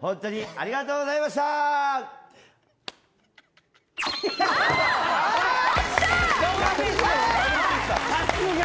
本当にありがとうございましたあっ